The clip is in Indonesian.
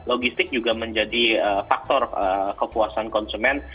logistik juga menjadi faktor kepuasan konsumen